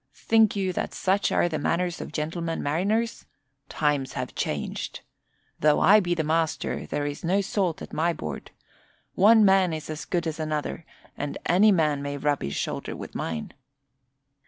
Think you that such are the manners of gentlemen mariners? Times have changed. Though I be master, there is no salt at my board. One man is as good as another and any man may rub his shoulder with mine."